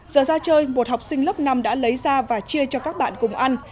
giờ ra chơi một học sinh lớp năm đã lấy ra và chia cho các bạn cùng ăn